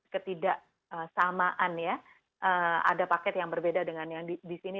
ketidaksamaan ya ada paket yang berbeda dengan yang di sini